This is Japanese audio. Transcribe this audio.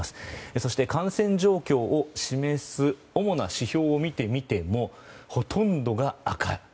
そして感染状況を示す主な指標を見てみてもほとんどが赤。